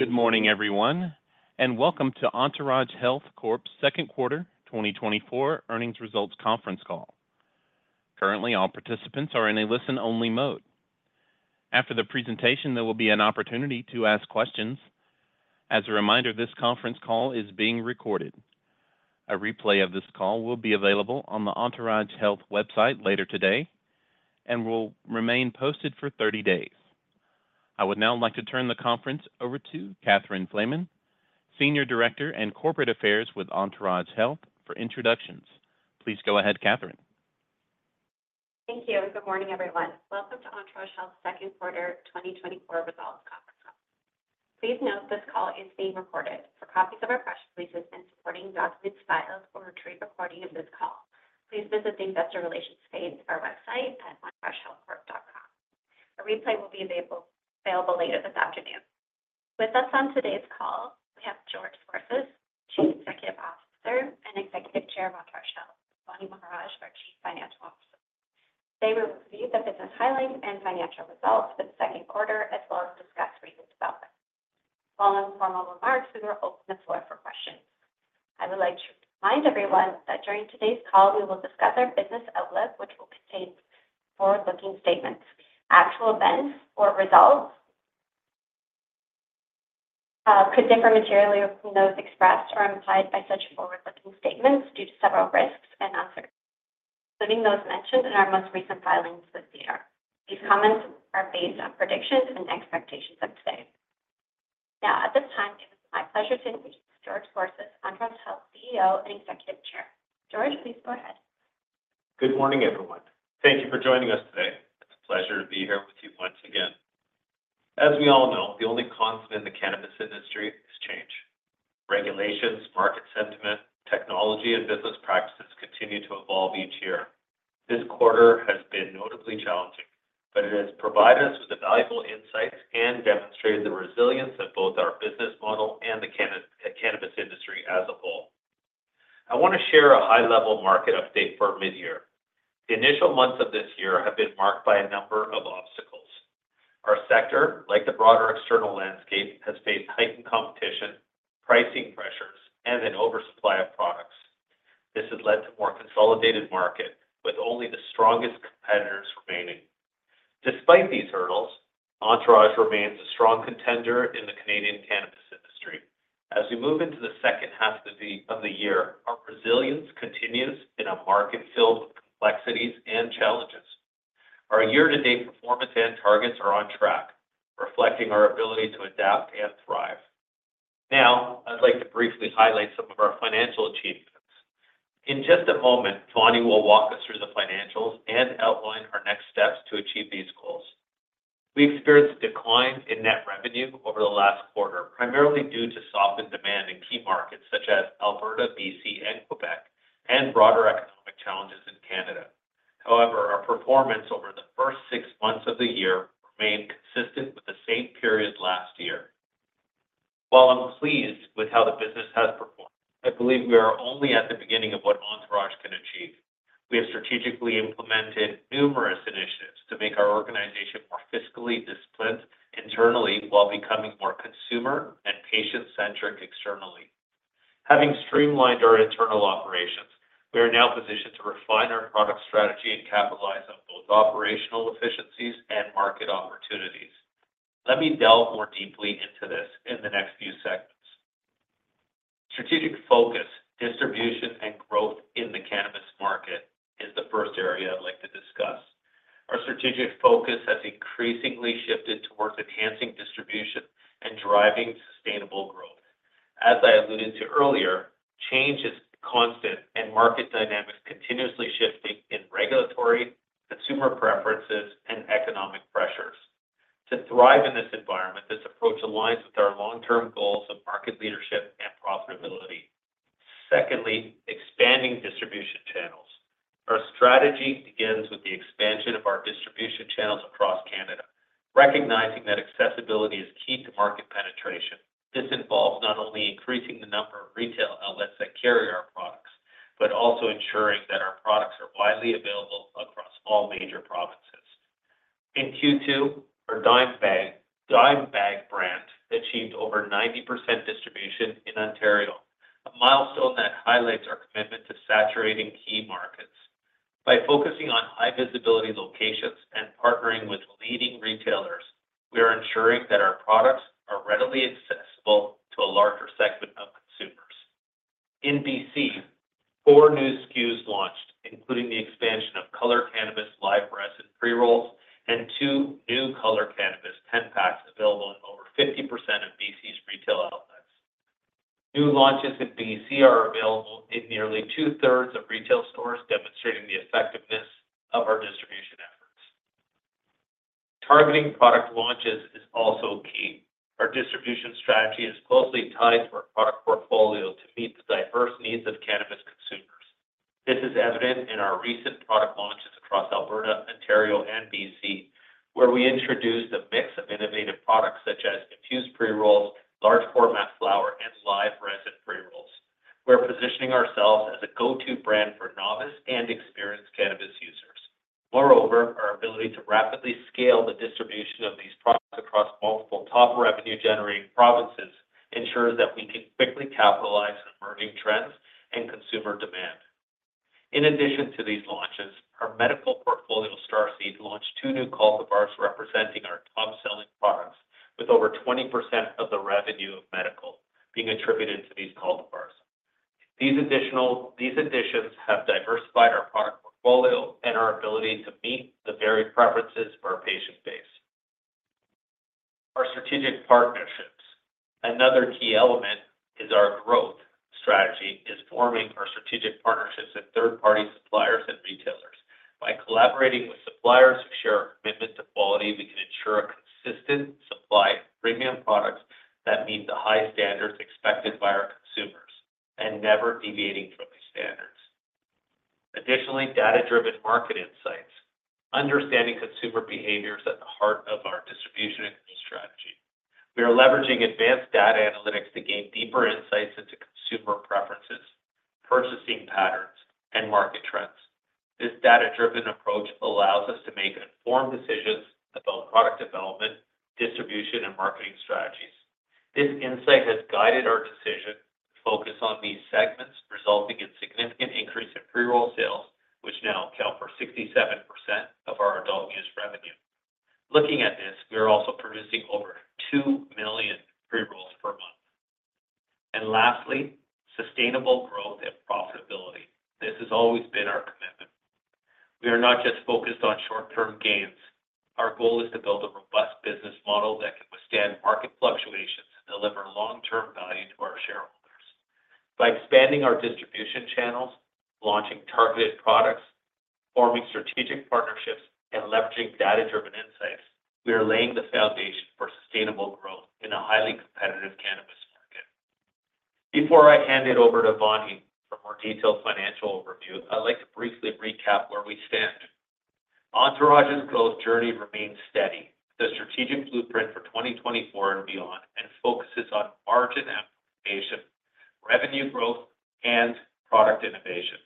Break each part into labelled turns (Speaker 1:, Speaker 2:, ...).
Speaker 1: Good morning, everyone, and welcome to Entourage Health Corp's Second Quarter 2024 Earnings Results Conference Call. Currently, all participants are in a listen-only mode. After the presentation, there will be an opportunity to ask questions. As a reminder, this conference call is being recorded. A replay of this call will be available on the Entourage Health website later today and will remain posted for 30 days. I would now like to turn the conference over to Catherine Flaman, Senior Director of Communications and Corporate Affairs with Entourage Health, for introductions. Please go ahead, Catherine.
Speaker 2: Thank you. Good morning, everyone. Welcome to Entourage Health's Second Quarter 2024 Results Conference Call. Please note, this call is being recorded. For copies of our press releases and supporting document files or a replay recording of this call, please visit the Investor Relations page of our website at entouragehealthcorp.com. A replay will be available later this afternoon. With us on today's call, we have George Scorsis, Chief Executive Officer and Executive Chair of Entourage Health, Vaani Maharaj, our Chief Financial Officer. They will review the business highlights and financial results for the second quarter, as well as discuss recent developments. Following formal remarks, we will open the floor for questions. I would like to remind everyone that during today's call, we will discuss our business outlook, which will contain forward-looking statements. Actual events or results could differ materially from those expressed or implied by such forward-looking statements due to several risks and uncertainties, including those mentioned in our most recent filings with the SEDAR. These comments are based on predictions and expectations of today. Now, at this time, it is my pleasure to introduce George Scorsis, Entourage Health CEO and Executive Chair. George, please go ahead.
Speaker 3: Good morning, everyone. Thank you for joining us today. It's a pleasure to be here with you once again. As we all know, the only constant in the cannabis industry is change. Regulations, market sentiment, technology, and business practices continue to evolve each year. This quarter has been notably challenging, but it has provided us with valuable insights and demonstrated the resilience of both our business model and the cannabis industry as a whole. I want to share a high-level market update for midyear. The initial months of this year have been marked by a number of obstacles. Our sector, like the broader external landscape, has faced heightened competition, pricing pressures, and an oversupply of products. This has led to more consolidated market, with only the strongest competitors remaining. Despite these hurdles, Entourage remains a strong contender in the Canadian cannabis industry. As we move into the second half of the year, our resilience continues in a market filled with complexities and challenges. Our year-to-date performance and targets are on track, reflecting our ability to adapt and thrive. Now, I'd like to briefly highlight some of our financial achievements. In just a moment, Vaani will walk us through the financials and outline our next steps to achieve these goals. We experienced a decline in net revenue over the last quarter, primarily due to softened demand in key markets such as Alberta, BC, and Quebec, and broader economic challenges in Canada. However, our performance over the first six months of the year remained consistent with the same period last year. While I'm pleased with how the business has performed, I believe we are only at the beginning of what Entourage can achieve. We have strategically implemented numerous initiatives to make our organization more fiscally disciplined internally while becoming more consumer and patient-centric externally. Having streamlined our internal operations, we are now positioned to refine our product strategy and capitalize on both operational efficiencies and market opportunities. Let me delve more deeply into this in the next few segments. Strategic focus, distribution, and growth in the cannabis market is the first area I'd like to discuss. Our strategic focus has increasingly shifted towards enhancing distribution and driving sustainable growth. As I alluded to earlier, change is constant and market dynamics continuously shifting in regulatory, consumer preferences, and economic pressures. To thrive in this environment, this approach aligns with our long-term goals of market leadership and profitability. Secondly, expanding distribution channels. Our strategy begins with the expansion of our distribution channels across Canada, recognizing that accessibility is key to market penetration. This involves not only increasing the number of retail outlets that carry our products, but also ensuring that our products are widely available across all major provinces. In Q2, our Dime Bag, Dime Bag brand achieved over 90% distribution in Ontario, a milestone that highlights our commitment to saturating key markets. By focusing on high-visibility locations and partnering with leading retailers, we are ensuring that our products are readily accessible to a larger segment of consumers. In BC, four new SKUs launched, including the expansion of Color Cannabis, live resin, pre-rolls, and two new Color Cannabis ten-packs available in over 50% of BC's retail outlets. New launches in BC are available in nearly 2/3 of retail stores, demonstrating the effectiveness of our distribution efforts. Targeting product launches is also key. Our distribution strategy is closely tied to our product portfolio to meet the diverse needs of cannabis consumers. This is evident in our recent product launches across Alberta, Ontario, and BC, where we introduced a mix of innovative products such as infused pre-rolls, large format. We're positioning ourselves as a go-to brand for novice and experienced cannabis users. Moreover, our ability to rapidly scale the distribution of these products across multiple top revenue-generating provinces ensures that we can quickly capitalize on emerging trends and consumer demand. In addition to these launches, our medical portfolio, Starseed, launched two new cultivars, representing our top-selling products, with over 20% of the revenue of medical being attributed to these cultivars. These additions have diversified our product portfolio and our ability to meet the varied preferences for our patient base. Our strategic partnerships. Another key element is our growth strategy, forming our strategic partnerships with third-party suppliers and retailers. By collaborating with suppliers who share our commitment to quality, we can ensure a consistent supply of premium products that meet the high standards expected by our consumers and never deviating from these standards. Additionally, data-driven market insights. Understanding consumer behavior is at the heart of our distribution and key strategy. We are leveraging advanced data analytics to gain deeper insights into consumer preferences, purchasing patterns, and market trends. This data-driven approach allows us to make informed decisions about product development, distribution, and marketing strategies. This insight has guided our decision to focus on these segments, resulting in significant increase in pre-roll sales, which now account for 67% of our adult-use revenue. Looking at this, we are also producing over 2 million pre-rolls per month, and lastly, sustainable growth and profitability. This has always been our commitment. We are not just focused on short-term gains. Our goal is to build a robust business model that can withstand market fluctuations and deliver long-term value to our shareholders. By expanding our distribution channels, launching targeted products, forming strategic partnerships, and leveraging data-driven insights, we are laying the foundation for sustainable growth in a highly competitive cannabis market. Before I hand it over to Vaani for a more detailed financial overview, I'd like to briefly recap where we stand. Entourage's growth journey remains steady. The strategic blueprint for 2024 and beyond, and focuses on margin amplification, revenue growth, and product innovation.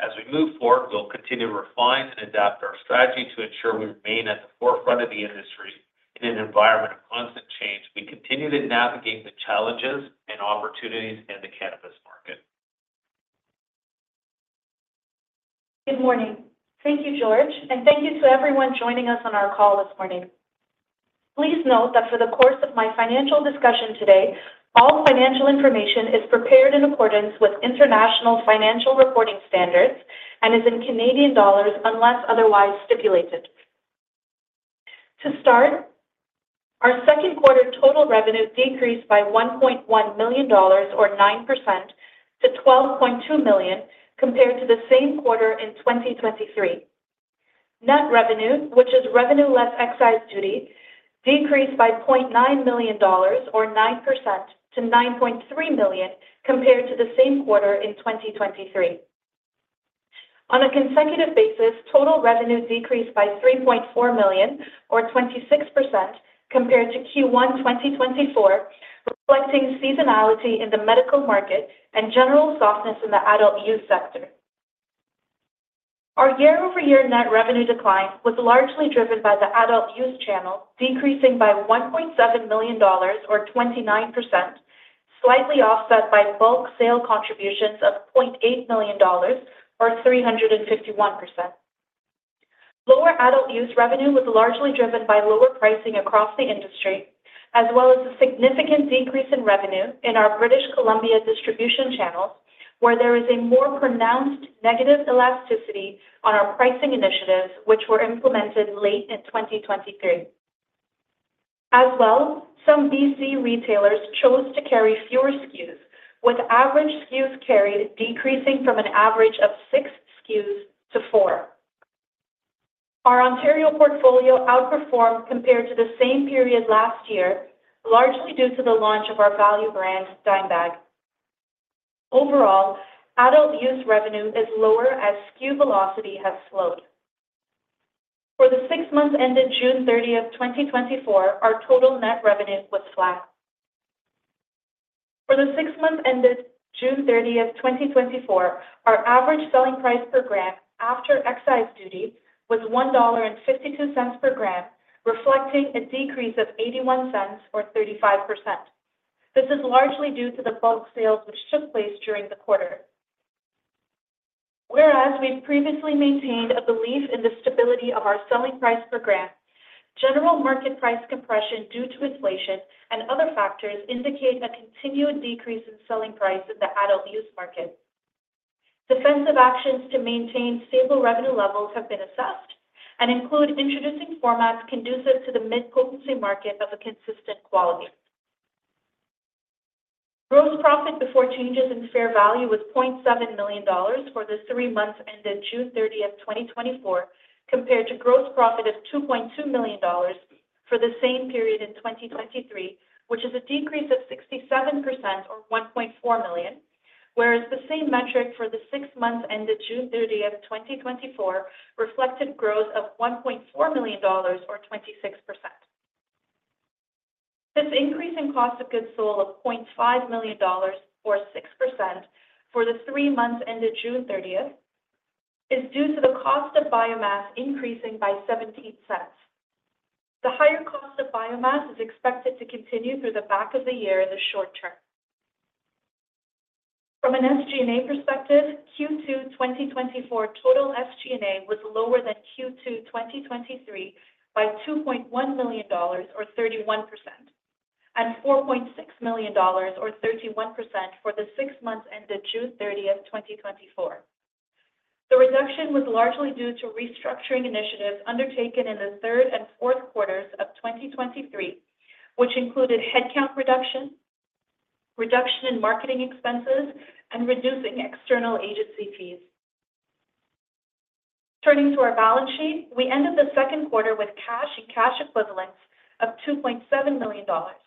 Speaker 3: As we move forward, we'll continue to refine and adapt our strategy to ensure we remain at the forefront of the industry in an environment of constant change. We continue to navigate the challenges and opportunities in the cannabis market.
Speaker 4: Good morning. Thank you, George, and thank you to everyone joining us on our call this morning. Please note that for the course of my financial discussion today, all financial information is prepared in accordance with International Financial Reporting Standards and is in Canadian dollars, unless otherwise stipulated. To start, our second quarter total revenue decreased by 1.1 million dollars or 9% to 12.2 million, compared to the same quarter in 2023. Net revenue, which is revenue less excise duty, decreased by 0.9 million dollars or 9% to 9.3 million, compared to the same quarter in 2023. On a consecutive basis, total revenue decreased by 3.4 million or 26% compared to Q1, 2024, reflecting seasonality in the medical market and general softness in the adult-use sector. Our year-over-year net revenue decline was largely driven by the adult-use channel, decreasing by 1.7 million dollars or 29%, slightly offset by bulk sale contributions of 0.8 million dollars or 351%. Lower adult-use revenue was largely driven by lower pricing across the industry, as well as a significant decrease in revenue in our British Columbia distribution channels, where there is a more pronounced negative elasticity on our pricing initiatives, which were implemented late in 2023. As well, some BC retailers chose to carry fewer SKUs, with average SKUs carried decreasing from an average of six SKUs to four. Our Ontario portfolio outperformed compared to the same period last year, largely due to the launch of our value brand, Dime Bag. Overall, adult-use revenue is lower as SKU velocity has slowed. For the six months ended June 30th, 2024, our total net revenue was flat. For the six months ended June 30th, 2024, our average selling price per gram after excise duty was 1.52 dollar per gram, reflecting a decrease of 0.81 or 35%. This is largely due to the bulk sales, which took place during the quarter. Whereas we've previously maintained a belief in the stability of our selling price per gram, general market price compression due to inflation and other factors indicate a continued decrease in selling price in the adult-use market. Defensive actions to maintain stable revenue levels have been assessed and include introducing formats conducive to the mid-potency market of a consistent quality. Gross profit before changes in fair value was 0.7 million dollars for the three months ended June 30th, 2024, compared to gross profit of 2.2 million dollars for the same period in 2023, which is a decrease of 67% or 1.4 million, whereas the same metric for the six months ended June 30th, 2024, reflected growth of 1.4 million dollars or 26%. This increase in cost of goods sold of 0.5 million dollars, or 6%, for the three months ended June 30th, is due to the cost of biomass increasing by 0.17. The higher cost of biomass is expected to continue through the back of the year in the short term. From an SG&A perspective, Q2 2024 total SG&A was lower than Q2 2023 by 2.1 million dollars, or 31%, and 4.6 million dollars, or 31%, for the six months ended June 30th, 2024. The reduction was largely due to restructuring initiatives undertaken in the third and fourth quarters of 2023, which included headcount reduction, reduction in marketing expenses, and reducing external agency fees. Turning to our balance sheet, we ended the second quarter with cash and cash equivalents of 2.7 million dollars,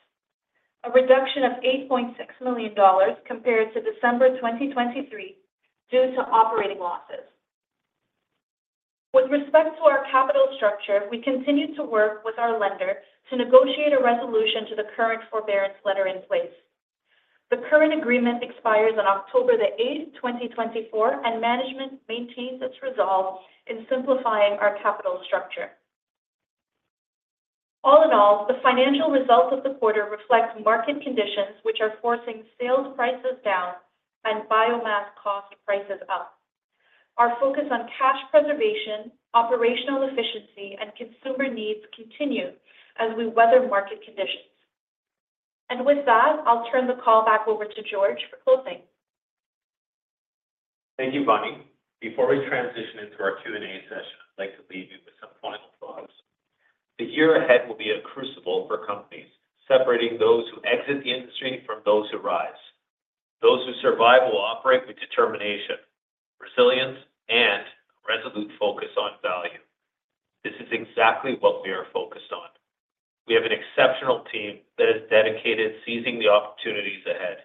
Speaker 4: a reduction of 8.6 million dollars compared to December 2023 due to operating losses. With respect to our capital structure, we continued to work with our lender to negotiate a resolution to the current forbearance letter in place. The current agreement expires on October 8th, 2024, and management maintains its resolve in simplifying our capital structure. All in all, the financial results of the quarter reflect market conditions, which are forcing sales prices down and biomass cost prices up. Our focus on cash preservation, operational efficiency, and consumer needs continue as we weather market conditions, and with that, I'll turn the call back over to George for closing.
Speaker 3: Thank you, Vaani. Before we transition into our Q&A session, I'd like to leave you with some final thoughts. The year ahead will be a crucible for companies, separating those who exit the industry from those who rise. Those who survive will operate with determination, resilience, and resolute focus on value. This is exactly what we are focused on. We have an exceptional team that is dedicated to seizing the opportunities ahead.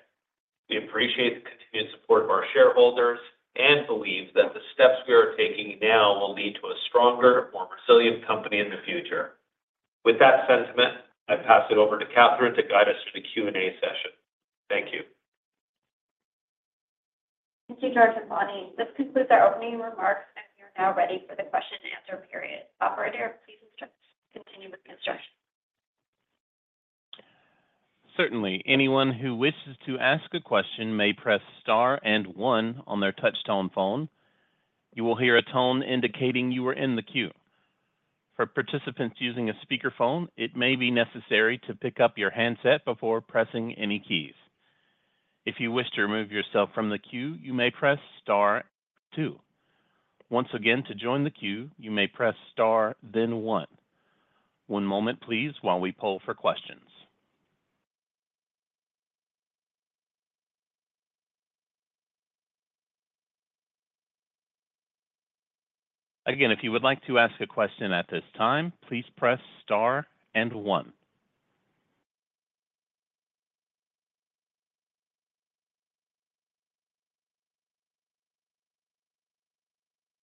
Speaker 3: We appreciate the continued support of our shareholders and believe that the steps we are taking now will lead to a stronger, more resilient company in the future. With that sentiment, I pass it over to Catherine to guide us to the Q&A session. Thank you.
Speaker 2: Thank you, George and Vaani. This concludes our opening remarks, and we are now ready for the question and answer period. Operator, please continue with the instructions.
Speaker 1: Certainly. Anyone who wishes to ask a question may press star and one on their touchtone phone. You will hear a tone indicating you are in the queue. For participants using a speakerphone, it may be necessary to pick up your handset before pressing any keys. If you wish to remove yourself from the queue, you may press star two. Once again, to join the queue, you may press star, then one. One moment, please, while we poll for questions. Again, if you would like to ask a question at this time, please press Star and One.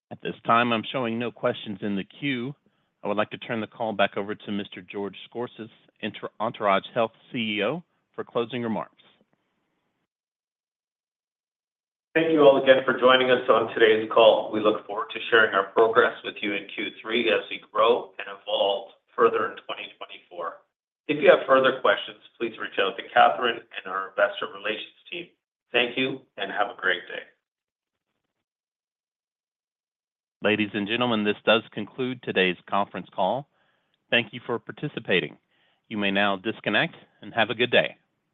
Speaker 1: At this time, I'm showing no questions in the queue. I would like to turn the call back over to Mr. George Scorsis, Entourage Health CEO, for closing remarks.
Speaker 3: Thank you all again for joining us on today's call. We look forward to sharing our progress with you in Q3 as we grow and evolve further in 2024. If you have further questions, please reach out to Catherine and our investor relations team. Thank you, and have a great day.
Speaker 1: Ladies and gentlemen, this does conclude today's conference call. Thank you for participating. You may now disconnect and have a good day.